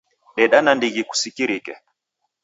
Deda nandighi kusikirike.